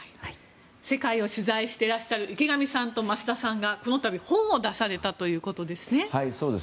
世界を取材していらっしゃる池上さんと増田さんがこのたび本を出されたということですね。